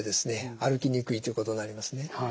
歩きにくいということになりますね。